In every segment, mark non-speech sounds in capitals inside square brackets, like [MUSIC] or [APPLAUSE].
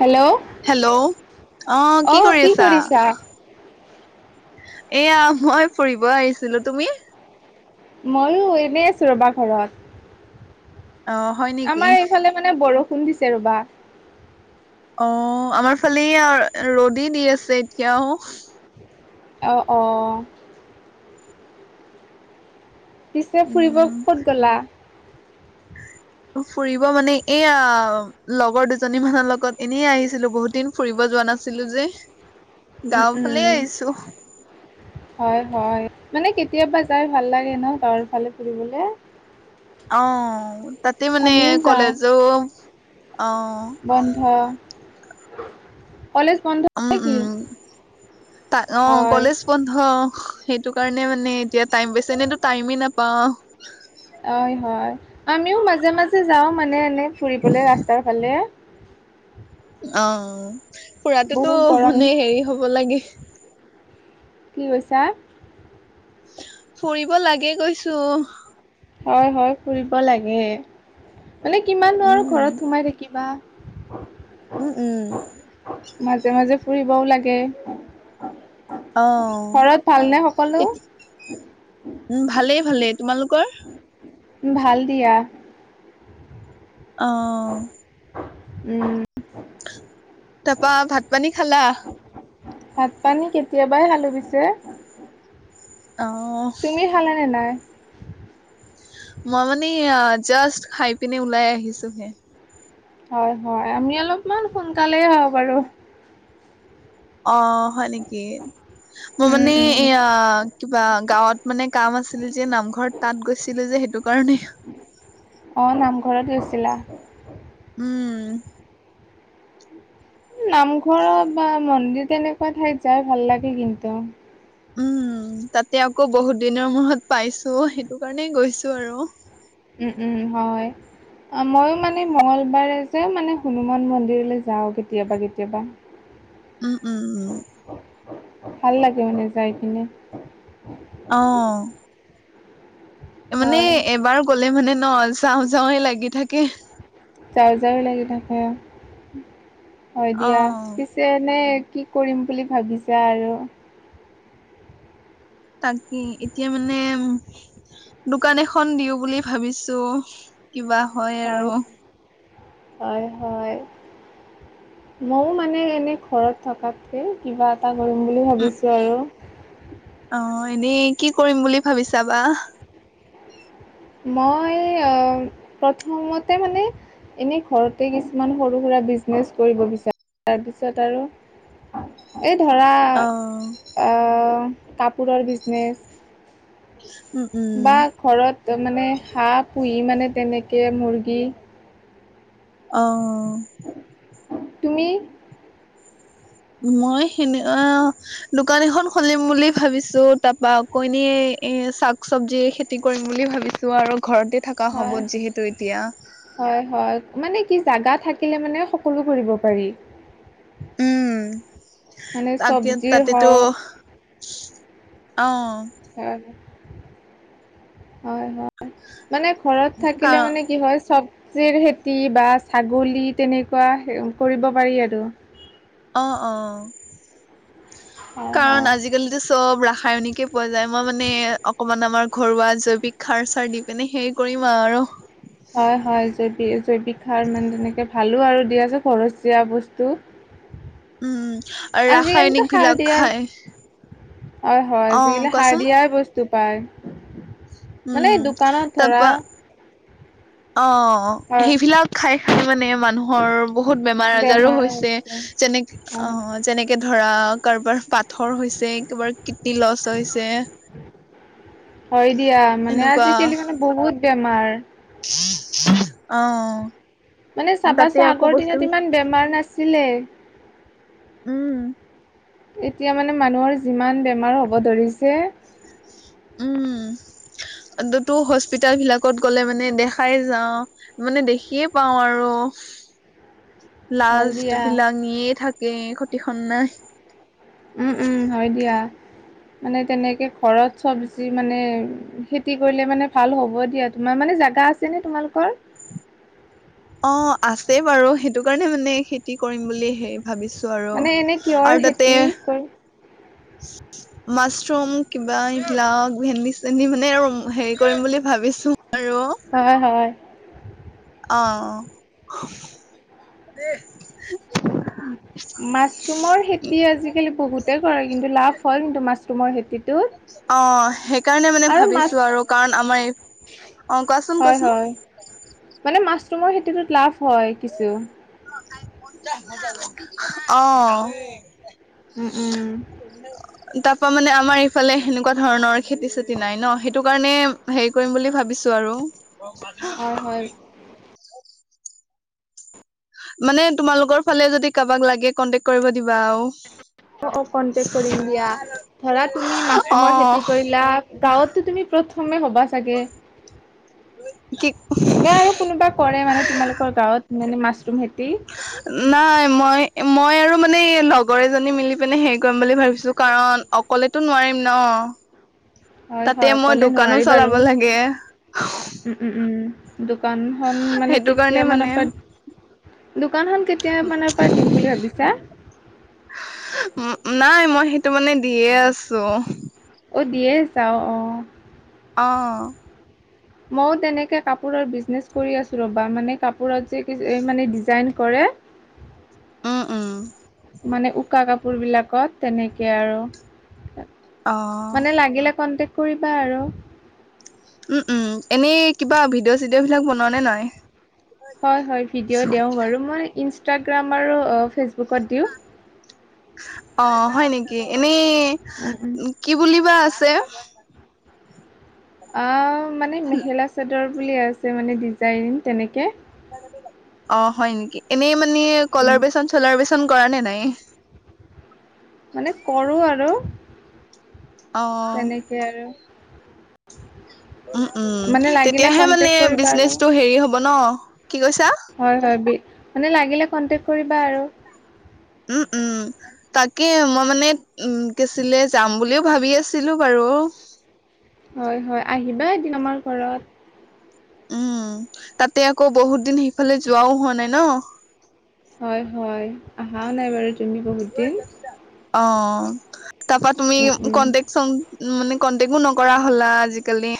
Hello hello অ অ' কৰি কি আছা কৰিছা এয়া মই ফুৰিব আহিছিলো তুমি ময়ো এনেই আছো ৰবা ঘৰত অ হয় নেকি আমাৰ এইফালে মানে বৰষুণ দিছে ৰবা অঁ আমাৰ ফালে এইয়া ৰ'দে দি আছে এতিয়াও। অ' অ' পিছে ফুৰিব উম ক'ত গ'লা ফুৰিব মানে এয়া লগৰ দুজনী মানৰ লগত এনেই আহিছিলো বহুত দিন ফুৰিব যোৱা নাছিলো যে উম গাঁও ফালে উম আহিছো হয় হয় মানে কেতিয়াবা যাই ভাল লাগে ন গাৱঁৰ ফালে ফুৰিবলৈ অ', তাতে মানে যাওঁ কলেজো অ বন্ধ কলেজ বন্ধ উম নেকি উম অ' হয় কলেজ বন্ধ সেইটো কাৰণে মানে এতিয়া টাইম পাইছো এনেয়েতো টাইমেই নাপাও হয় হয় আমিও মাজে মাজে যাও মানে এনে ফুৰিবলে ৰাস্তাৰ ফালে অ' ফুৰাটোতো বহুত গৰম মানে হেৰি হব লাগে কি কৈছা ফুৰিব লাগে কৈছো হয় হয় ফুৰিব লাগে মানে কিমাননো আৰু উম ঘৰত সোমাই থাকিবা হয় উম উম মাজে মাজে ফুৰিবও লাগে অ ঘৰত ভালনে সকলো তেতি- উম ভালেই ভালেই তোমালোকৰ ভাল দিয়া অ', উম তাপা ভাত পানী খালা ভাত পানী কেতিয়াবাই খালো পিছে অ তুমি খালা নে নাই মই মানে জাষ্ট খাই পিনে ওলাই আহিছোহে হয় হয় আমি অলপমান সোনকালেই হওঁ বাৰু অ', হয় নেকি মই উম মানে উম এয়া কিবা গাঁৱত মানে কাম আছিল যে নামঘৰত তাত গৈছিলো যে সেইটো কাৰণেই অ', নামঘৰত গৈছিলা উম নামঘৰ বা মন্দিৰ তেনেকুৱা ঠাইত যাই ভাল লাগে কিন্তু উম, ‌তাতে আকৌ বহুত দিনৰ মূৰত পাইছো সেইটো কাৰণেই গৈছো আৰু উম-উম হয়। ময়ো মানে মঙলবাৰে যেও মানে হনুমান মন্দিৰলৈ যাওঁ কেতিয়াবা-কেতিয়াবা উম-উম-উম ভাল লাগে মানে যাই কিনে অ, মানে হয় এবাৰ গলে মানে ন চাওঁ যাওএ লাগি থাকে। চাৰ্জাৰো লাগি থাকে হয় দিয়া অ', পিছে এনেই কি কৰিম বুলি ভাবিছা আৰু তাকে এতিয়া মানে দোকান এখন দিও বুলি ভাবিছো কিবা হয় আৰু হয়-হয় মইও মানে এনে ঘৰত থকাতকে কিবা এটা কৰিম বুলি উম, ভাবিছোঁ আৰু অ, এনেই কি কৰিম বুলি ভাবিছাবা মই অ প্ৰথমতে মানে এনে ঘৰতে কিছুমান সৰু সুৰা এটা বিজনেছ কৰি বহিছে তাৰপিছত আৰু [INAUDIBLE] এই ধৰা অ', কাপোৰৰ বিজনেছ উম-উম-উম তাৰ মানো হাঁহ পুহি মানে তেনেকে মুৰ্গী অ, তুমি? মই সেনে অ, দোকান এখন খুলিম বুলি ভাবিছো তাপা কইনে এ শাক চবজিয় খেতি কৰিম বুলি ভাবিছো আৰু ঘৰতে থকা হয়। হবত যিহেতু এতিয়া হয় হয় মানে কি জেগা থাকিলে মানে সকলো কৰিব পাৰি। উম মানে তাকে চব্জিৰ তাতেতো হওক অ, হয়-হয়-হয় মানে ঘৰত কা থাকিলে মানে কি হয় চব [UNINTELLIGIBLE] বা ছাগলী তেনেকুৱা কৰিব পাৰি আৰু অ-অ হয় কাণ হয়। আজিকালিতো চব ৰা ৰাসায়নিকে পোৱা যায়। মই মানে অকমান আমাৰ ঘৰুৱা জৈৱিক সাৰ চাৰ দি পিনে হেৰি কৰিম আৰু হয়-হয় জৈৱিক-জৈৱিক সাৰ মানে তেনেকে ভালো আৰু দি আছোঁ খৰচীয়া বস্তু উম, আৰু ৰাসায়নিকবিলাক খায় হয়-হয় আজিকালি সাৰ দিয়াই বস্তু পায়। মানে উম দোকানত ধৰা তাৰপা অ, হয় সেইবিলাক খাই খাই মানে মানুহৰ বহুত বেমাৰ আজাৰো হৈছে। যেনেক হয় অ হয়। যেনেকে ধৰা কাৰোবাৰ পাথৰ হৈছে কি হয় দিয়া মানে এনেকুৱা আজিকালি মানে বহুত বেমাৰ অ, মানে তাতে চাবাচোন আকৌ আগৰ বস্তু দিনত ইমান বেমাৰ নাছিলে। উম, এতিয়া মানে মানুহৰ যিমান বেমাৰ হ'ব ধৰিছে। উম, তো হস্পিিতাল বিলাকত গ'লে মানে দেখাই যাও মানে দেখিয়ে পাও আৰু লাজ হয় দিয়া বিিলাঙিয়ে থাকে খ্ষতিখন নাই উম উম হয় দিয়া [UNINTELLIGIBLE] মানে তেনেকে ঘৰত চব বেছি মানে খেতি কৰিলে মানে ভাল হ'ব দিয়া তোমাৰ মানে জ গা আছেনে তোমালোকৰ অ আছে বাৰু সেইটো কাৰণে মানে খেতি কৰিম বুলি হেৰি ভাবিছো আৰু মানে এনে কিহৰ আৰু তাতে খেতি কৰি মাছৰুম কিবা ইবিলাও ভেন্দি চেন্দি মানে আৰু হেৰি কৰিম বুলি ভাব ভাবিছো আৰু অ হয় অ মাছৰুমৰ খেতি আজিকালি বহুতে কৰে কিন্তু লাভ ফল কিন্তু মাছটো মই খেতিত অ সেইকাৰণে মানে মাছ ভাবিছো আৰু কাৰণ আমাৰ এই অ কোৱাচোন হয় কোৱাচোন হয় মানে মাছৰুমৰ খেতিতত লাভ হয় কিছু অ উম উম তাৰ পৰাা মানে আমাৰ ইফালে সেনেকুৱা ধৰণৰ খেতি চেতি নাই ন সেইটো কাৰণে হেৰি কৰিম বুলি ভাবিছো আৰু ব হয় মাজোকান হয় মানে তোমালোকৰ ফালে য কাৰোবাক লাগ ক কৰিব দিব [UNINTELLIGIBLE] অ অ কনটেক কৰিম দিয়া ধৰা তুমি অ মাছৰুমৰ খেতি কৰিলা গাঁৱতো তুমি প্ৰ অসমমে হ'বা চাগে কি ন আৰু কোনোবা কৰে মানে তোমালোকৰ গাঁৱত মানে মাছ নাই মই মই আৰু মানে লগৰ এজনী মিলি পিনে হেৰি কৰিম বুলি ভাবিছো কাৰণ অকলেতো নোৱাৰিম ন হয় হয় তাতে মই অকলে দোকানো নোৱাৰি বাৰু চলাব লাগে দোকানখনন মানে সেইটো কাৰণে মানে কেতিয়াামানৰ পৰা দোকানখনন কেতিয় মানৰ পৰা দিম বুলি ভাবিছা তটো মানে দিয়ে আছো অ' দিয়ে চাওঁ অঁ অ [UNINTELLIGIBLE] উম উম মানে উকা কাপোৰবিলাকত তেনেকৈ আৰু অ মানে লাগিলে কণ্টেক্ট কৰিবা আৰু উম উম এনেই কিবা ভিডিঅ' চিডিঅ' বিলাক বনোৱা নে নাই হয় হয় ভিডিঅ' দিওঁ বাৰু মই ইনষ্টাগ্ৰাম আৰু ফেচবুকত দিওঁ অ হয় নেকি এনেই উম উম কি বুলিবা আছে অ মানে মেখেলা চাদৰ বুলি আছে মানে ডিজাইন তেনেকে অ হয় নেকি এনেই মানে উম কলাৰ বেচন চলাৰ বেচন ন কৰা নে নাই মানে কৰো আৰু অ তেনেকে আৰু উম উম মানে লাগিলে তেতিয়াহে মানে কন্টেক কৰিবা আৰু বিজনেচটো হেৰি হব ন কি কৈছা হয় হয় মানে লাগিলে কনটেক কৰিবা আৰু উম উম তাকে মই মানে উম কছিলে যাম বুলিও ভাবি আছিলো বাৰু [INAUDIBLE] হয় হয় আহিবা এদিন আমাৰ ঘৰত। উম তাতে আকৌ বহুত দিন সেইফালে যোৱাও হোৱা নাই ন। হা নাই বাৰু। তুমি বহুত দিন অ তাৰপ তুমি উম উম কনটেক চ উ মানে কন্টেকো নকৰা হ'লা আজিকালি।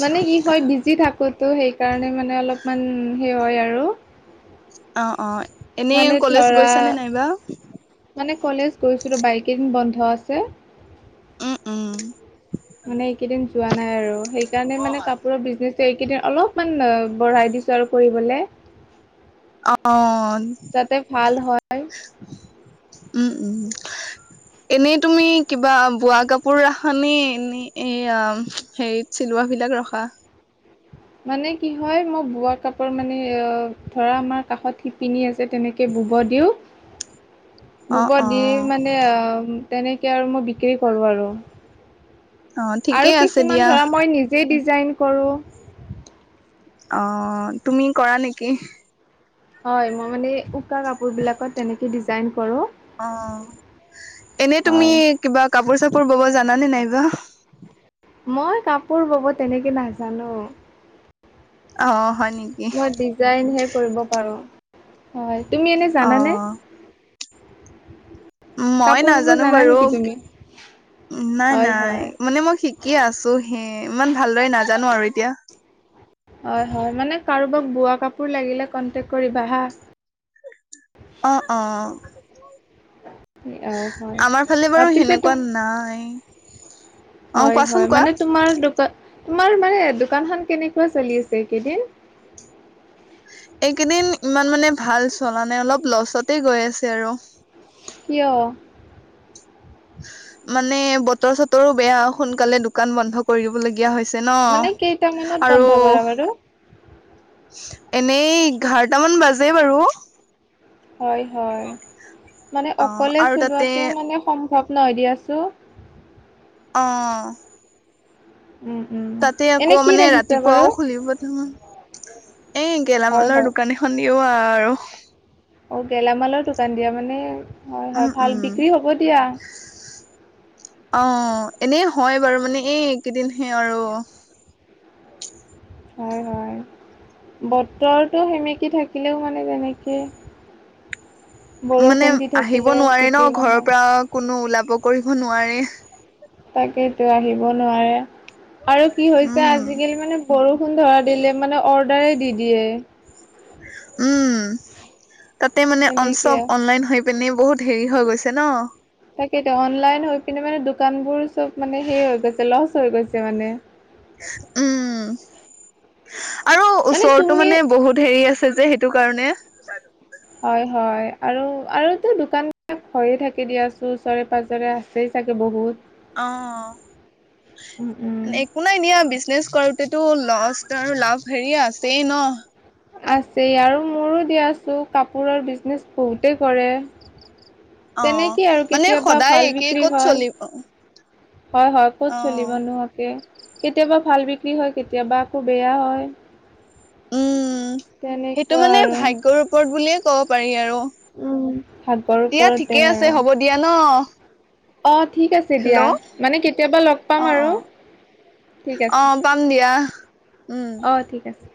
মানে কি হয় বিজি থাকোত [UNINTELLIGIBLE] ত' সেইকাৰণে মানে অলপমান, সেই হয় আৰু। অ অ এনেই মানে কলেজ ধৰা গৈছা নে নাইবা [UNINTELLIGIBLE] মানে কলেজ গৈছিলোঁ বাইকিং বন্ধ আছে। উম উম, মানে এইকেইদিন যোৱা নাই আৰু, সেইকাৰণে মানে কাপোৰৰ বিজনেচ এইকেইদিন অলপ ম বঢ়াই দিছো আৰু কৰিবলে। অ যাতে উম উম ভাল হয় [UNINTELLIGIBLE] এনেই তুমি কিবা বোৱা কাপোৰ ৰাখানে এনে এ হেৰিত চিলোৱা বিলাক, ৰখা [UNINTELLIGIBLE] মানে কি হয় মই বোৱা কাপোৰ মানে ধৰা আমাৰ কাষত শিপিনী আছে তেনেকে, বুব দিউ [UNINTELLIGIBLE] [UNINTELLIGIBLE] অ', গুপত দি অ', মানে, তেনেকে আৰু মই বিক্ৰী কৰোঁ আৰু অ', আৰু ঠিকেই আছে কিছুমান দিয়া। ধৰা, মই নিজেই ডিজাইন কৰোঁ্ অ তুমি কৰা নেকি [INAUDIBLE] হয় মই মানে উকা কাপোৰ বিলাকত তেনেকে ডিজাইন, কৰো অ, এনে তুমি হয়। কিবা কাপোৰ চাপোৰ পোৰ বব জানানে নাইবা [UNINTELLIGIBLE] মই কাপোৰ বব তেনেকে নাজানো। অহ [UNINTELLIGIBLE] মই ডিজাইনহে কৰিব পাৰো। হয় তুমি এনে জানানে, অ', মই কাপোৰ বব নাজানো জানা বাৰু। নেকি তুমি? নাই হয় হয় নাই মানে মই শিকি আছো হে ইমান ভালদৰে নাজানো আৰু এতিয়া। হয় হয় মানে কাৰোবাক বোৱা কাপোৰ লাগিলে কণ্টেক্ট কৰিবা হা। অ অ [UNINTELLIGIBLE] অ হয় আমাৰ ফালে বাৰু পিছে তুম সেনেকুৱা নাই, অ', হয় কোৱাচোন হয় কোৱা। মানে তোমাৰ দোকান [UNINTELLIGIBLE] তোমাৰ মানে দোকান খন কেনেকুৱা চলি আছে একেইদিন। এইকেইদিন ইমান মানে ভাল চলা নাই অলপ লছতে গৈ আছে আৰু [UNINTELLIGIBLE] কয়। মানে বতৰ চতৰো বেয়া সোনকালে দোকান বন্ধ কৰি দিবলগীয়া হৈছে। ন মানে কেইটামানত আৰু বন্ধ কৰা বাৰু? এনেই এঘাৰটামান বাজে বাৰু [UNINTELLIGIBLE] হয় হয় মানে অ অকলে আৰু তাতে চলোৱাটো মানে সম্ভৱ নয় দি আছোঁ। অ উম উম তাতে এনে আকৌ কি মানে ৰাখিছে বাৰু ৰাতিপুৱাও খুলিব নহয় এ হয় গেলামালৰ হয় দোকান এখন দিও আৰু আৰু [UNINTELLIGIBLE] অ গেলামালৰ দোকান দিয়া মানে, হয় উম হয় ভাল উম। বিক্ৰী হ'ব দিয়া। অ এনেই হয় বাৰু, মানে এইকেইদিনহে আৰু। হয় হয়। বতৰটো সিমেকি থাকিলেও মানে তেনেকে মানে বৰষুণ দি আহিব থাকিলে নোৱাৰে ন বিক্ৰী ঘৰৰ নহয় পৰা কোনো ওলাব কৰিব নোৱাৰে। তাকেইতো আহিব নোৱাৰে আৰু কি হৈছে উম আজিকালি মানে বৰষুণ ধৰা দিলে মানে অৰ্ডাৰে দি দিয়ে। উম তাতে মানে অ তেনেকে চব অনলাইন হৈ পিনে বহুত হেৰি হৈ গৈছে ন। কিন্তু মানে দোকানবোৰ চব মানে হেৰি হৈ গৈছে লচ হৈ গৈছে মানে। উম আৰু মানে ওচৰৰতটো তুমি মানে বহুত হেৰি আছে। যে সেইটো কাৰণে। হয় হয় আৰু আৰুতো দোকানবিলাক হৈয়ে থাকে দিয়াচো ওচৰে পজৰে আছেই চাগে বহুত। অ উম উম একো নাই দিয়া বিজনেছ কৰো হেইটো লষ্ট আৰু লাভ হেৰিয়ে আছে ন আছে আৰু মোৰো দিয়াছো কাপোৰৰ বিজনেচ বহুতে কৰে। অ তেনেকেই আৰু মানে কেতিয়াবা সদায় ভাল একেই বিক্ৰী ক'ত হয় চলিব হয় হয় ক'ত অ চলিব নোহোৱা কে। কেতিয়াবা ভাল বিক্ৰী হয় কেতিয়াবা আকৌ বেয়া হয়। উম সেইটো তেনেকুৱা মানে আৰু। ভাগ্যৰ ওপৰত বুলিয়ে ক'ব পাৰি আৰু। উম ভাগ্যৰ দিয়া ওপৰতে ঠিকে আছে আৰু। হ'ব দিয়া ন অ ঠিক আছে হেল্ল' দিয়া অ মানে কেতিয়াবা লগ পাম অ আৰু। অ পাম দিয়া। উম অঁ ঠিক আছে